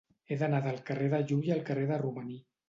He d'anar del carrer de Llull al carrer de Romaní.